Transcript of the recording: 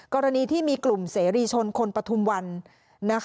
กรณีที่มีกลุ่มเสรีชนคนปฐุมวัน